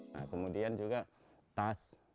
nah kemudian juga tas